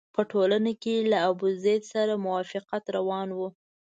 په ټولنه کې له ابوزید سره موافقت روان وو.